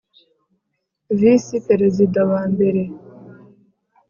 Visi Perezida wa mbere